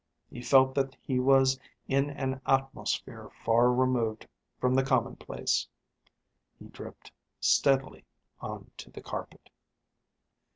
He felt that he was in an atmosphere far removed from the commonplace. He dripped steadily on to the carpet.